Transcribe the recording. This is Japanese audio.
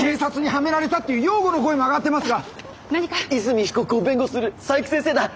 泉被告を弁護する佐伯先生だ！